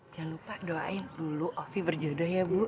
jangan lupa doain dulu ovi berjodoh ya bu